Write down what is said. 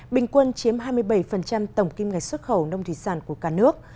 bình quân chiếm hai mươi bảy tổng kim ngạch xuất khẩu nông thủy sản của cả nước